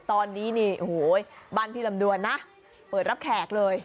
ตอนนี้บ้านพี่ลำดวนนะเปิดรับแขกเลย